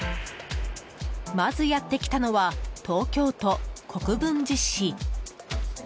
まず、やってきたのは東京都国分寺市。